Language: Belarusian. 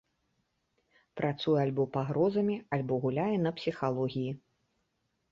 Працуе альбо пагрозамі, альбо гуляе на псіхалогіі.